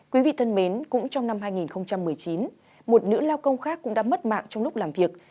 quý vị thân mến cũng trong năm hai nghìn một mươi chín một nữ lao công khác cũng đã mất mạng trong lúc làm việc